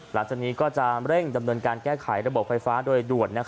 หลังจากนี้ก็จะเร่งดำเนินการแก้ไขระบบไฟฟ้าโดยด่วน